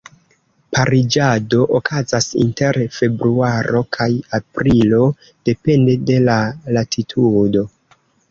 Pariĝado okazas inter februaro kaj aprilo, depende de la latitudo.